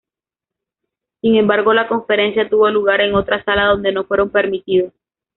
Sin embargo, la conferencia tuvo lugar en otra sala donde no fueron permitidos.